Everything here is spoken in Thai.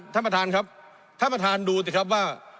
ท่านประธานครับท่านประธานดูสิครับว่า